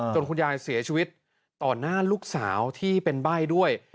คุณยายเสียชีวิตต่อหน้าลูกสาวที่เป็นใบ้ด้วย